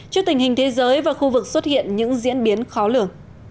trước tình hình thế giới và khu vực xuất hiện những diễn biến khó lường